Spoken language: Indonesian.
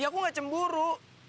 ya aku gak cemburu